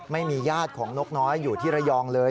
ไม่มีญาติของนกน้อยอยู่ที่ระยองเลย